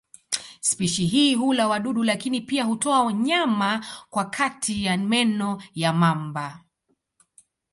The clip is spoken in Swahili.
Spishi hii hula wadudu lakini pia hutoa nyama kwa kati ya meno ya mamba.